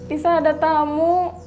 isah ada tamu